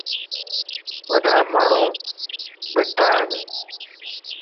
وڏا ماڻهون ٻيٽان